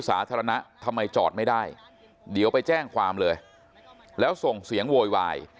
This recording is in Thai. สาธารณะทำไมจอดไม่ได้เดี๋ยวไปแจ้งความเลยแล้วส่งเสียงโวยวาย